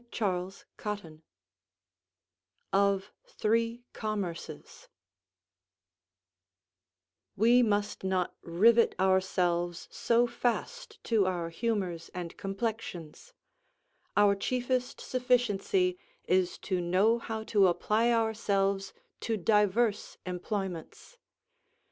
CHAPTER III OF THREE COMMERCES We must not rivet ourselves so fast to our humours and complexions: our chiefest sufficiency is to know how to apply ourselves to divers employments.